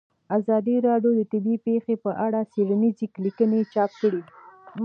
ازادي راډیو د طبیعي پېښې په اړه څېړنیزې لیکنې چاپ کړي.